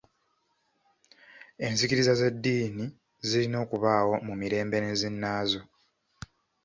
Enzikiriza z'edddiini zirina okubaawo mu mirembe ne zinaazo.